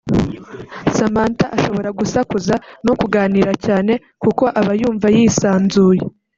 Samantha ashobora gusakuza no kuganira cyane kuko aba yumva yisanzuye